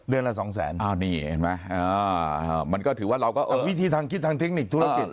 เดือนละสองแสนมันก็ถือว่าเราก็วิธีทางคิดทางเทคนิคธุรกิจ